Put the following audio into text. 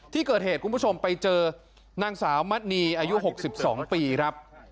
ที่เกิดเหตุคุณผู้ชมไปเจอนางสาวมัดนีอายุ๖๒ปีครับ